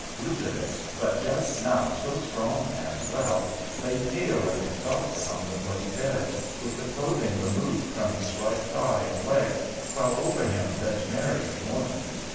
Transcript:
Lycidas, but just now so strong and well, lay pale and exhausted on the bloody bed, with the clothing removed from his right thigh and leg, while over him bent Mary and Morton.